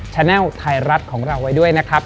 แนลไทยรัฐของเราไว้ด้วยนะครับ